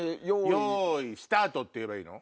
よいスタート！って言えばいいの？